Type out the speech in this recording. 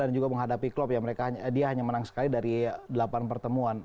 dan juga menghadapi klopp dia hanya menang sekali dari delapan pertemuan